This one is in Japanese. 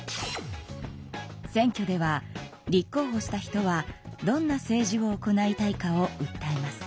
選挙では立候ほした人はどんな政治を行いたいかをうったえます。